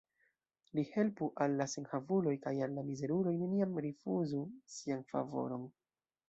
Li helpu al la senhavuloj, kaj al la mizeruloj neniam rifuzu sian favoron.